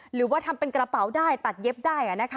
หรือว่าทำเป็นกระเป๋าได้ตัดเย็บได้